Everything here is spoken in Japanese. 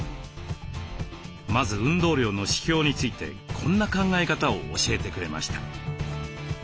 まず運動量の指標についてこんな考え方を教えてくれました。